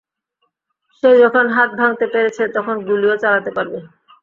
সে যখন হাত ভাঙতে পেরেছে, তখন গুলিও চালাতে পারবে?